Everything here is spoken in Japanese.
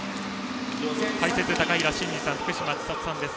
解説は高平慎士さん福島千里さんです。